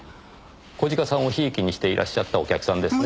小鹿さんを贔屓にしていらっしゃったお客さんですね？